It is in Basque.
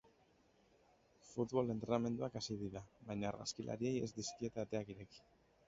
Futbol entrenamenduak hasi dira, baina argazkilariei ez dizkiete ateak ireki.